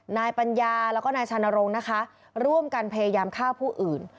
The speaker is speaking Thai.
นายปัญญาแล้วก็นายชานรงค์นะคะร่วมกันพยายามฆ่าผู้อื่น